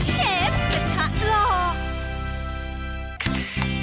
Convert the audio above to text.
จันทร์บันดาลกันท์สันต้าน